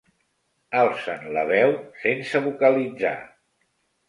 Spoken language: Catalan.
Alcen la veu sense vocalitzar.